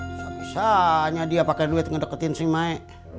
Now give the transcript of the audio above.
bisa bisa hanya dia pake duit ngedeketin si mae